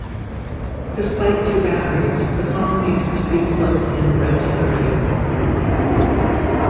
Despite two batteries, the phone needed to be plugged in regularly.